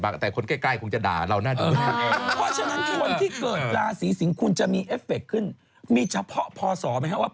พอยกเข้าสิงที่สิงจะมีเคราะห์